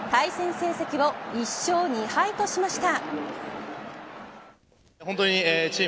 成績を１勝２敗としました。